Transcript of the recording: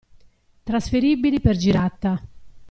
Trasferibili per girata.